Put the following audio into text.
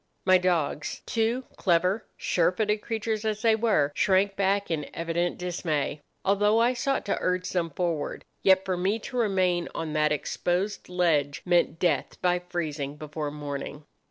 My dogs—two clever, sure footed creatures as they were—shrank back in evident dismay, although I sought to urge them forward; yet for me to remain on that exposed ledge meant death by freezing before morning.